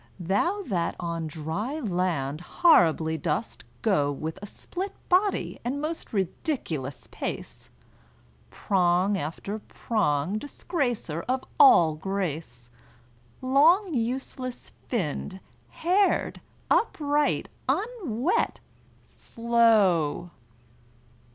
Thou that on dry land horribly dost go With a split body and most ridiculous pace, Prong after prong, disgracer of all grace, Long useless finned, haired, upright, unwet, slow!